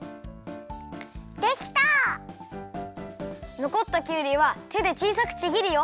のこったきゅうりはてでちいさくちぎるよ。